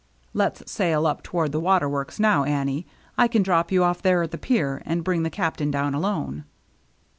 " Let's sail up toward the water works now, Annie. I can drop you off there at the pier, and bring the Captain down alone.'